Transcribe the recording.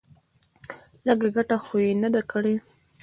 لږه گټه خو يې نه ده کړې.